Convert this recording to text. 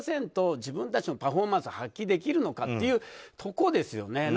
自分たちのパフォーマンスを発揮できるのかというところですよね。